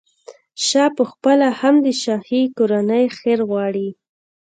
شاه پخپله هم د شاهي کورنۍ خیر غواړي.